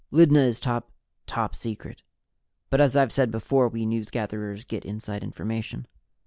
Lydna is top top secret, but as I've said before, we newsgatherers get inside information.